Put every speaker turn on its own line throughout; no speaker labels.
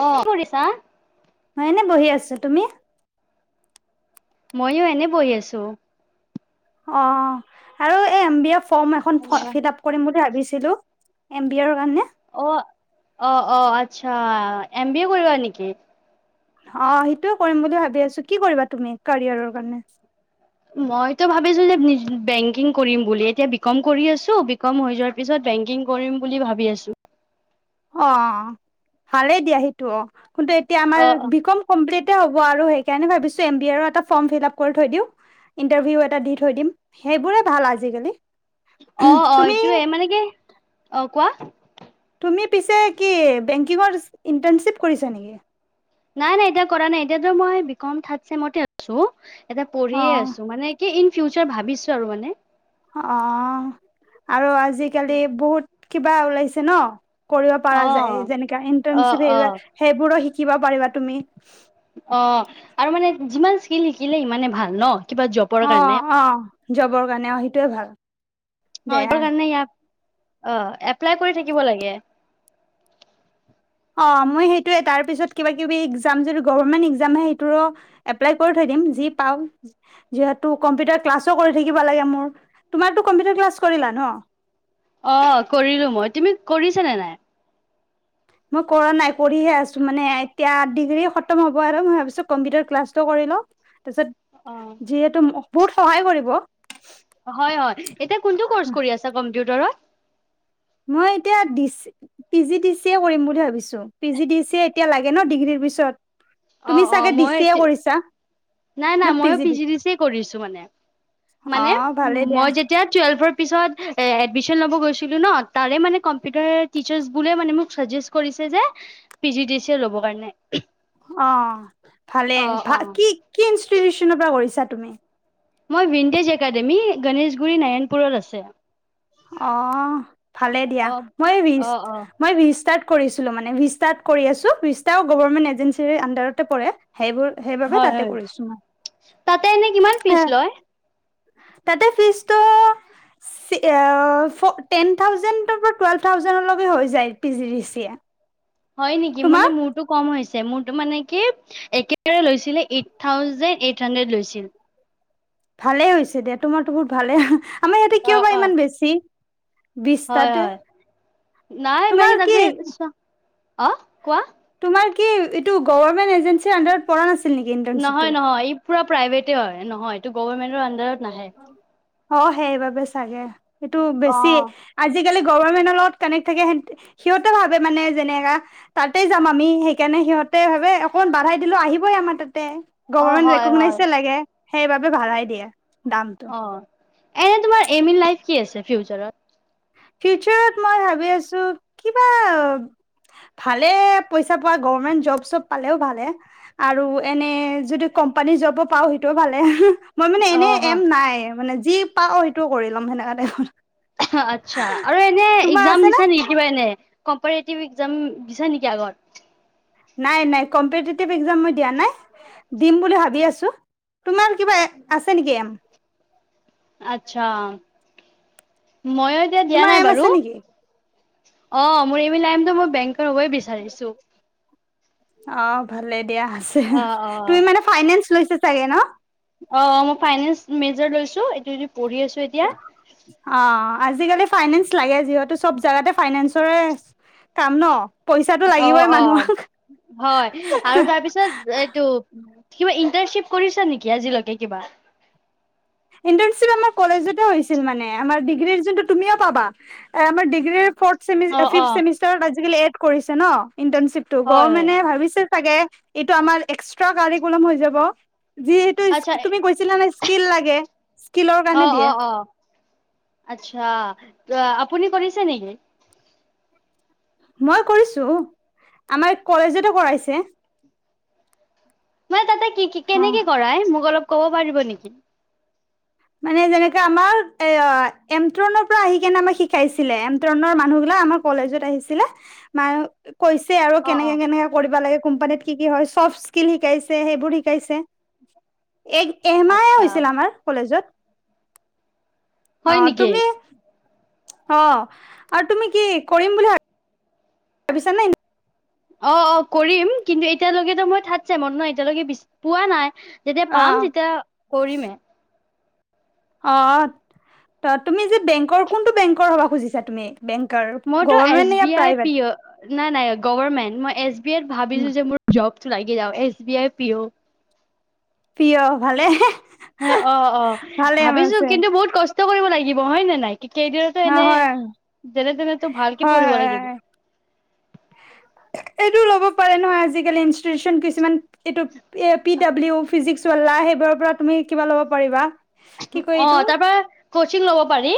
অ কি কৰিছা।
মই এনে বহি আছো তুমি?
ময়ো এনে বহি আছো।
অ আৰু এ এম বি এফ। ফৰ্ম এখন ফ ফিল আপ কৰিম বুলি ভাবিছোঁ। ছিলো এম বি এৰ কাৰণে।
অ অ অ আচ্ছা এম বি এ কৰিবা নেকি?
অ সেইটোয়ে কৰিম বুলি ভাবি আছো কি কৰিবা তুমি কেৰিয়াৰৰ কাৰণে।
মইতো ভাবিছো যে বেংকিং কৰিম বুলি এতিয়া বি কম কৰি আছো। বি কম হৈ যোৱাৰ পিছত বেংকিং কৰিম বুলি ভাবিছোঁ।
অ ভালেই দিয়া সেইটো অ। কিন্তু এতিয়া
অ
আমাৰ বি কম কমপ্লিট। হ'ব আৰু সেই কাৰণে ভাবিছো এম বি এটা ফৰ্ম ফিল আপ কৰি থৈ দি ইন্টাৰভিউ এটা দি থৈ দিম সেইবোৰে ভাল আজিকালি।
অ অ
তুমি
এইটোয়ে মানে কি অ কোৱা।
তুমি পিছে কি বেংকিঙৰ ইণ্টাৰ্শ্বিপ কৰিছা নেকি?
নাই নাই এতিয়া কৰা নাই, এতিয়া মই বি কম থাৰদ চেমতে আছো। এটা
অ
পঢ়িয়ে আছো মানে কি? ইন ফিচাৰ ভাবিছো আৰু মানে।
অ আৰু আজি আজিকালি বহুত, কিবা ওলাইছে ন? কৰিব
অ
পৰা যায় যেনেকা
অ অ
ইন্টাৰ্নশ্বিপ সব সেইবোৰো শিকি। শিকিব পাৰিবা তুমি।
অ আৰু মানে যিমান। শিকি শিকিলে ইমানে ভাল ন? কিবা জপৰ
অ
কাৰণে।
অ জবৰ কাৰণে সেইটোৱে ভাল।
অ
দে
এটো কাৰণে ইয়াক। আহ এপ্লাই কৰি থাকিব লাগে।
অ মই সেইটোৱে তাৰ পিছত কিবা কিবি একজাম যদি গভমেন্ট একজামে সেইটোৰো এপ্লাই কৰি থৈ দিম যি পাওঁ, যিহেতু কম্পিউটাৰ ক্লাছো কৰি থাকিব লাগে মোৰ। তোমাৰতো কম্পিউটাৰ ক্লাছ কৰিলা ন?
অ কৰিলো মই তুমি কৰিছ নে নাই?
মই কৰা নাই কৰি হে আছো। মানে এতিয়া ডিগ্ৰী খতম হ'ব আৰু মই ভাবিছোঁ কম্পিউটাৰ ক্লাসটো কৰি লও। তাৰপিছত যিহেতু বহুত সহায় কৰিব।
হয় হয় এতিয়া কোনটো কৰ্চ কৰি আছে কম্পিউটাৰত
মই এতিয়া পি জি ডি চিয়ে কৰিম বুলি ভাবিছো। পি জি এতিয়া লাগে। লাগে ন ডিগ্ৰীৰ পিছত
অ
তুমি
অ
চাগে
মই
দিছিয়ে কৰিছা?
নাই নাই ময়ো পি জি ডি চিয়ে কৰিছো
অ
মানে
ভালে দিয়া
মই যেতিয়া টুৱেলভৰ পিছত লব গেছিলো ন তাৰে মানে টিৰ্চাছ বোৰে চাজেছ কৰিছে মানে পি জি ডি চিয়ে লবলৈ মানে।
অ ভালে
অ
ভা কি? কি ইনষ্টিটিউচনৰ পৰা কৰিছা তুমি?
মই ভিনতেজ একাডেমী গণেশগুৰি নাৰায়ণপুৰত আছে।
আহ। ভালে দিয়া,
অ
মই বিশ
অ অ
মই বিশ তাত কৰিছিলো মানে ভিষ্টাত কৰি আছো, ভিষ্টাও গভৰ্মেন্ট এজেঞ্চিৰ আনডাৰতে পৰে। সেইবোৰ সেইবাবে
হয়
তাতে
হয়,
কৰিছো মই
তাতে এনে কিমান ফিজ লয়?
তাতে ফিজ ত চি এ ফ টেন থাউজেণ্ডৰ পৰা টুৱেল্ভ থাউজেণ্ডলৈকে হৈ যায়, P G D C A.
হয় নেকি মানে
তোমাৰ
মোৰটো কম হৈছে মোৰটো মানে কি, একেবাৰে লৈছিলে এইট থাউজেণ্ড এইট হাণ্ডৰেড লৈছিল।
ভালে হৈছে দিয়া তোমাৰতো বহুত ভালে আমাৰ ইয়াতে
অ
কিয় বা
অ
ইমান বেছি।
হয়
বিশটাতে
হয়, নাই মই কি তাতে অ কোৱা?
তোমাৰ কি এইটো গভাৰমেন্ট এজেন্সি আণ্ডাৰত পৰা না
নহয় নহয় এই পুৰা প্ৰাইভেটে হয়, নহয় এইটো গভৰ্মেণ্টৰ আণ্ডাৰত - নাহে।
অ সেইবাবে চাগে সেইটো
অ
বেছি, আজি আজিকালি গভাৰমেণ্টৰ লগত কানেক থাকে, সিহতে ভাবে মানে যেনেকা তাতেই যাম আমি, সেইকাৰণে সিহঁতে ভাবে অকণমান বাঢ়াই দিলো আহিবই আমাৰ তাতে।
অ
গভৰ্মেণ্ট
হয় হয়।
ৰেকগনাইজেচন লাগে। সেইবাবে বাঢ়াই দিয়ে দামটো।
অ এনে তোমাৰ এইম ইন লাইফ কি আছে ফিচাৰত?
ফিউচাৰত মই ভাবি আছো, কিবা ভালে পইচা পোৱা গভামেন্ট জব চব পালেও ভালে আৰু এনে যদি কোম্পানী জব পাও সেইটো ভালে, মই মানে
অ
এনে
হয়।
এম নাই মানে যি পাওঁ সেইটো কৰি লম সেনেকা টাইপৰ।
আচ্ছা আৰু এনে
তোমাৰ
একজাম
আছে নে
দিছা নি কিবা এনে কম্পৰেটিভ একজাম দিছা নেকি আগত?
নাই নাই কম্পিতিটিভ এক্সাম মই দিয়া নাই, দিম বুলি ভাবি আছোঁ, তোমাৰ কিবা আছে নেকি এইম?
আচ্ছা। ময়ো এতিয়া দিয়া
তোমাৰ
নাই
এম
বাৰু।
আছে নেকি
অ মোৰ এইবিলাইমত মই বেং কা হব বিচাৰিছো।
অ ভালেই। দিয়া আছে,
অ', অ',
তুমি মানে ফাইনেঞ্চ লৈ চাগে ন।
অ মই ফাইনেন্স মেজৰ লৈছো এইটো পঢ়ি আছো এতিয়া।
অ আজিকালি ফাইনেন্স লাগে যিহেতু চব জেগাতে ফাইনেন্সৰে কাম ন। পইচাটো
অ
লাগিবই
অ
মানুহক
হয় আৰু তাৰপিছত এইটো কিবা ইন্টাৰ্নশ্বিপ কৰিছা নেকি আজিলৈকে কিবা।
ইণ্টাৰ্ণচিপ আমাৰ কলেজতে হৈছিল মানে আমাৰ ডিগ্ৰীৰ যোনটো তুমিও পাবা আমাৰ ডিগ্ৰীৰ ফৰ্ট
অ', অ',
ফিফথ চেমিষ্টাৰত আজি কালি এট কৰিছে ন ইণ্টাৰণশ্বিপটো
হয় হয়
গৰ্মেনে ভাবিছে ছাগে এইটো আমাৰ এক্সট্ৰাকাৰিকুলম হৈ যাব। যিহেতু
আচ্ছা
তুমি কৈছিলা নে স্কিল লাগে। স্কিলৰ কাৰণে
অ',
দিয়ে।
অ', অ'। আচ্ছা আপুনি কৰিছে নেকি?
মই কৰিছো আমাৰ কলেজতে কৰাইছে।
মই তাতে কি
অ
কেনেকে কৰাই মোক অলপ ক'ব পাৰিব নেকি
মানে যেনেকা আমাৰ এ এমট্ৰনৰ পৰা আহি কেনে আমাক শিকাইছিলে এমট্ৰনৰ মানুহ বিলাক আমাৰ কলেজত আহিছিলে। ম কৈছে আৰু
অ', অ',
কেনেকে কেনেকে কৰিব লাগে। কোম্পানীত কি কি হয় চব স্কিল শিকাইছে সেইবোৰ শিকাইছে। এ এমাহ
আচ্ছা
হৈছিল আমাৰ কলেজত।
হয়
অ
নেকি?
তুমি অ আৰু তুমি কি কৰিম বুলি ভাব ভাবিছা নাই
অ অ কৰিম কিন্তু এতিয়ালৈকেতো মই থাত চেমট ন এতিয়ালৈকে পোৱা নাই। যেতিয়া
অ
পাম তেতিয়া কৰিমে।
অ ত তুমি যে বেংকৰ কোনটো বেংকৰ হব খুজিছা তুমি? বেংকৰ
মইতো এছ
গভৰমেণ্ট য়া
বি আই পি
প্ৰাইভেট
অ নাই নাই গভমেণ্ট মই এছ ভাবিছোঁ যে মোৰ জব। লাগি যায় S B I P O
P ' অ ভালে।
অ অ
ভালে
ভাবিছো
আছে
কিন্তু বহুত কষ্ট। কৰিব লাগিব হয় নে নাই? কেইদিনতো
অ
এনে
হয়
যেনে তেনে তো ভালকে
হয় হয়
পঢ়িব লাগিব।
হয়। এইটো ল'ব পাৰে নহয়, আজিকালি ইনষ্টিটিউচন কিছুমান এইটো পি ডাব্লিউ ফিজিক্সৱালা সেইবোৰৰ পৰা তুমি কিবা ল'ব পাৰিবা। কি কয়
অ,
এইটো
তাৰপা কৈ [unintelligible] ল'ব পাৰি।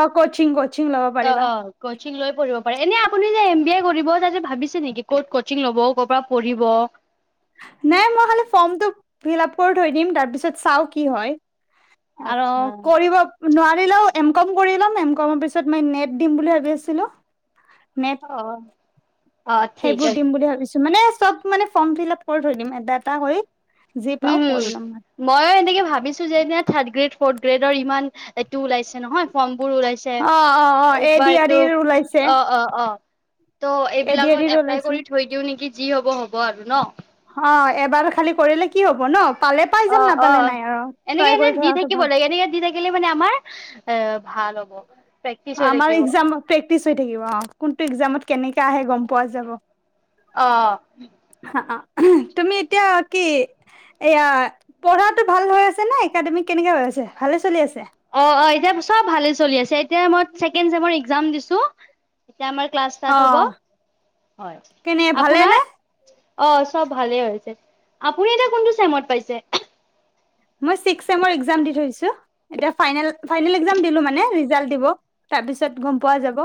অ, কচিং-কচিং লব
অ
পাৰিবা।
অ কচিং লৈ পঢ়িব পাৰে এনে আপুনি এই, এম বি আই কৰিব তাতে ভাবিছে নেকি, ক'ত কছিং ল'ব, ' কৰ পৰা পঢ়িব?
নাই মই খালি ফৰ্মটো ফিলাপ কৰি থৈ দিম, তাৰ পাছত চাও কি হয়। আৰু
আচ্ছা
কৰিব নোৱাৰ কৰিলও, এম কম কৰি লম, এম কমৰ পিছত মই নেট দিম বুলি ভাবি আছিলোঁ।
অ অ', ঠিক
সেইবোৰ
আছে
দিম বুলি ভাবিছোঁ। মানে, চব মানে ফৰ্ম ফিলাপ কৰি থৈ দিম, এটা-এটা কৰি যি পাও
উম-উম,
কৰি ল'ম
মই এনেকে ভাবিছোঁ যে এতিয়া থাৰ্ড গ্ৰেড ফৰ্থ গ্ৰেডৰ ইমান এইটো ওলাইছে নহয় ফৰ্ম বোৰ ওলাইছে,
অ অ অ এ
একবাৰ
ডি আৰ
এইটো
ই ওলাইছে
অ-অ-অ ত',
এ ডি আৰ
এইবিলাকত
ই
এপ্লাই
ওলাইছে
কৰি থৈ দিওঁ নেকি? যি হ'ব-হ'ব আৰু ন।
অ, এবাৰো খালি কৰিলে কি হব ন পালে পাই যাম
অ-অ,
নাপালে নাই আৰু
এনেকে
ট্ৰাই
এনে
কৰি
দি
থোৱাটো
থাকিব
ভাল
লাগে, এনেকে দি থাকিলে মানে আমাৰ এ, ভাল হ'ব। প্ৰেক্টিচ হৈ
আমাৰ
থাকিব অ'।
একজাম প্ৰেক্টিছ হৈ থাকিব, অ কোনটো একজামত? কেনেকে আহে গম পোৱা যাব।
অ
তুমি এতিয়া কি, এইয়া পঢ়াটো ভাল হৈ আছে নে, একাডেমিক কেনেকা হৈ আছে, ভালে চলি আছে?
অ-অ, এতিয়া চব ভালে চলি আছে এতিয়া মই ছেকেণ্ড চেমৰ এক্সাম দিছোঁ। আমাৰ ক্লাছ
অ
ইষ্টাত হব, হয়
কেনে ভালে
আপোনাৰ
নে
অ, চব ভালেই হৈছে, আপুনি এতিয়া কোনটো চেমত পাইছে?
মই চিক চেমৰ একজাম দি থৈছোঁ, এতিয়া ফাইনেল, ফাইনেল একজাম দিলো মানে ৰিজাল্ট দিব তাৰপিছত গম পোৱা যাব,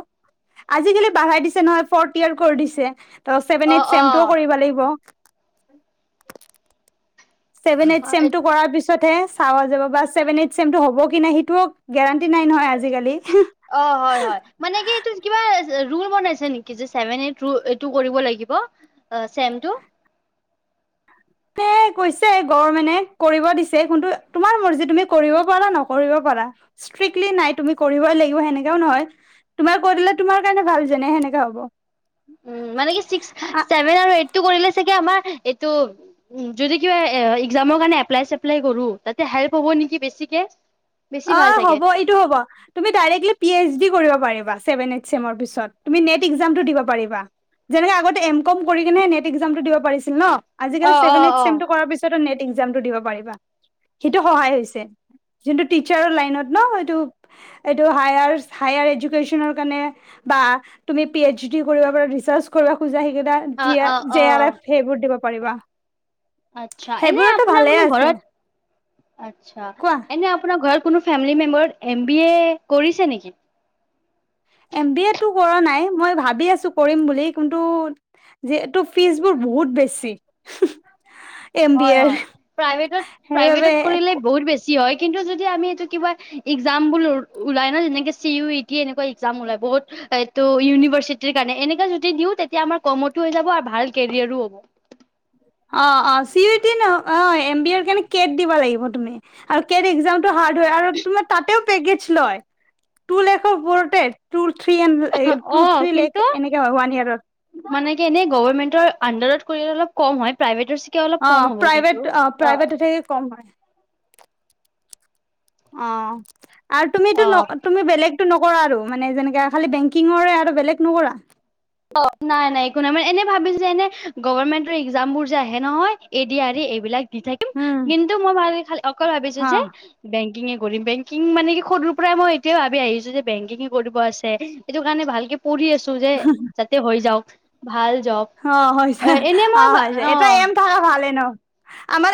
আজিকালি বঢ়াই দিছে নহয়, ফৌতয়েৰ কৰি দিছে। ত, ছেভেন
অ
এইট
অ
চেমটো কৰিব লাগিব। [unintelligible] ছেভেন এইট চেম
হয়
টো কৰাৰ পিছতহে চাৱ যাব বা ছেভেন এইট চেমটো হব কি নাই? সেইটো গেৰাণ্টি নাই নহয়, আজিকালি
ৰোল বনাইছে নেকি, যে ছেভেন এইট এইটো কৰিব লাগিব ছেমটো
ত কৈছে, গভমেন্টে কৰিব দিছে, কিন্তু তোমাৰ মৰজি তুমি কৰিব পাৰা, নকৰিব পাৰা, ষ্ট্ৰিক্টলি নাই তুমি কৰিবই লাগিব, সেনেকেও নহয়, তোমাৰ কৰি দিলে তোমাৰ কাৰণে ভাল যেনে সেনেকে হ'ব।
উ মানে কি ছিক্স ছেভেন আৰু এইট টো কৰিলে চাগে আমাৰ এইটো যদি কিবা একজামৰ কাৰনে এপ্লাই চেপলাই কৰো তাতে হেল্প হ'ব নেকি বেছিকে বেছি
অ
ভাল চাগে
হ'ব এইটো হ'ব তুমি ডাৰেকলি পি এইচ ডি কৰিব পাৰিবা ছেভেন এইট চেমৰ পিছত তুমি নেট একজাম টো দিব পাৰিবা যেনেকে আগতে এম কম কৰি কিনেহে নেট একজাম টো দিব পাৰিছিল ন।
অ
আজিকালি
অ
ছেভেন এইট
অ
চেমটো কৰাৰ পিছত নেট একজামটো দিব পাৰিবা সেইটো সহায় হৈছে। টিচাৰৰ লাইনত ন এইটো হাইআৰ হাই আৰু ইডোকেচনৰ কাৰনে বা তুমি পি এইচ ডি কৰিব পাৰা ৰিচাৰ্ছ কৰিব খোযা।
অ অ অ
জে আৰ এফ সেইবোৰ দিব পাৰা। পাৰিবা
আচ্ছা এনে
সেইবোৰতো
আপোনাৰ
ভালে
কোনো
আছে
ঘৰত আচছা
কোৱা
এনে আপোনাৰ ঘৰত কোনো ফেমিলি মেম্বাৰত এম বি এ কৰিছে নেকি?
এম বি এতটো কৰা নাই মই ভাবি আছো কৰিম বুলি কিন্তু যিহেটো ফিজবোৰ বহুত বেছি। এম বি
হয়
এৰ
হয় প্ৰাইভেটত
সেইবাবে
প্ৰাইভেটত কৰিলে বহুত বেছি। হয় কিন্তু যদি আমি এই কিবা একজাম পোল ন যেনেকে চি ইউটি এনেকুৱা একজাম উলাই বহুত এইটো ইউনিভাৰ্চিটিৰ কাৰণে এনে য দিও তেতিয়া আমাৰ কমতো হৈ যাব আৰু ভাল কেৰিয়াৰো হ'ব।
অ অ চিইউটি অ এম বি এৰ কাৰণে কেট দিব লাগিব তুমি আৰু কেট একজাম হাৰ্ড হয়। আৰু তোমাৰ তাতেও [unintelligible] টো লাখৰ ওপৰতে টো লাখ
অ কিন্তু
হয় ওৱান ইয়াৰত
মানে কি এনেই গভমেন্টৰ আডাৰত। অলপ কম হয় প্ৰাইভেটৰ চিকে অলপ
অ
কম হ'ব কিন্তু।
প্ৰাইভেট অ প্ৰাইভেট এতে কম হয়। অ আৰু তুমিটো ন
অ
তুমি বেলেগ। নকৰা আৰু মানে যেনে খালি বেংকিঙৰে আৰু বেলেগ নকৰা।
অ নাই নাই একো নাই মান এনে ভাবিছো যে এনে গভমেন্টৰ একজাম বোৰ যে আহে নহয় এদি আৰি এইবিলাক দি থাকিম
উম
কিন্তু মই খাল অকল ভাবিছো
হ
যে বেংক বেংকিং এ কৰিম বেংকিং মানে সৰুৰ পৰাই মই ভাবি আহিছোঁ বেংকিং যে কৰিব আছে হেইটো কাৰণে ভালকে পঢ়ি আছো যে। যাতে হৈ যাওক ভাল। জব
অ হৈছে
এনে
অ
মই
হৈছে এটা এম থকা ভালে ন।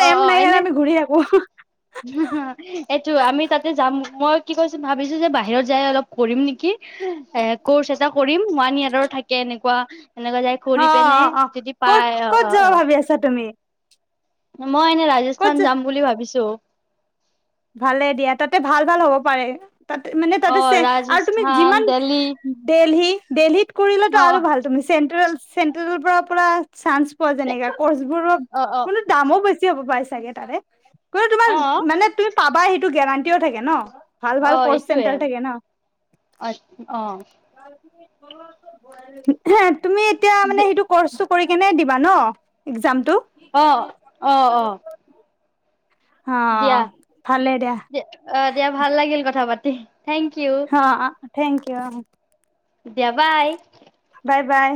অ অ এনে এইটো আমি তাতে যাম মই। কি কৈছ ভাবিছো যে বাহিৰত যাই অলপ কৰিম নেকি এ কৰ্চ এটা কৰিম ওৱান ইয়েৰৰ থাকে এনেকুৱা। এনেকুৱা যাই কৰি
অ
পিনে
অ
যদি
ক'ত
পাই অ
ক'ত
অ
যাব
অ
ভাবি আছা তুমি।
মই এনে
ক'ত
ৰাজস্থান
য
যাম বুলি ভাবিছো। অ
ভালে দিয়া তাতে ভাল ভাল হ'ব পাৰে। তাতে মানে তাতে আছে আৰু তুমি
ৰাজস্থান
যিমান
দেল্লী
দেলহি দিল্লী কৰিলো
অ
আৰু ভাল তুমি চেন্ট্ৰেল চেন্ট্ৰেল পৰা পৰা চানচ। পোৱা যেনেকা কৰ্চ বোৰ
অ অ
কোনো দামো বেছি। কি হ'ব পাই চাগে তাৰে। কোনো তোমাৰ
অ
মানে তুমি। পাবা সেইটো গেৰাণ্টিও থাকে ন ভাল ভাল
আহ
কৰ্চ
এইটোয়ে
চেণ্টাৰ থাকে ন
অ অ
সাত। তুমি এতিয়া মানে সেইটো কৰছটো কৰি কেনে দিবা ন একজাম টো
আহ আহ আহ
অ
দিয়া
ভালে দিয়া
অ দিয়া ভাল লাগিল কথা পাতি তি
হ অ থেংক ই দিয়া।
দেবাই।
Bye bye